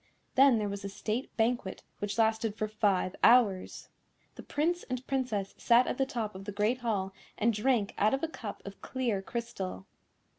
Then there was a State Banquet, which lasted for five hours. The Prince and Princess sat at the top of the Great Hall and drank out of a cup of clear crystal.